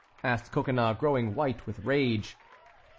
asked Coconnas, growing white with rage.